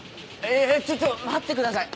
えちょっと待ってください！